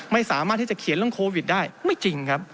ไม่สามารถที่จะเขียนเรื่องโควิดได้ไม่จริงครับ